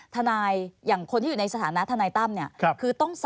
ถ้านายอย่างคนที่อยู่ในสถานีถามค้น